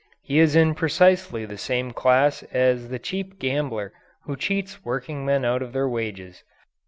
He is in precisely the same class as the cheap gambler who cheats workingmen out of their wages.